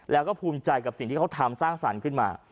แล้วก็ภูมิใจกับสิ่งที่เขาทำสร้างสรรค์ขึ้นมา